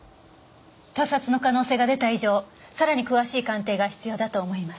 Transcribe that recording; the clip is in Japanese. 他殺の可能性が出た以上さらに詳しい鑑定が必要だと思います。